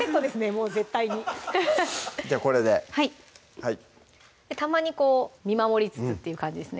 もう絶対にじゃあこれではいたまにこう見守りつつっていう感じですね